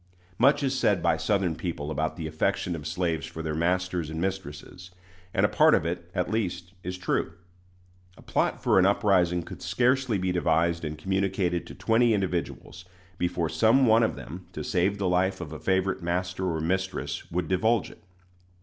Much is said by Southern people about the affection of slaves for their masters and mistresses; and a part of it, at least, is true. A plot for an uprising could scarcely be devised and communicated to twenty individuals before some one of them, to save the life of a favorite master or mistress, would divulge it.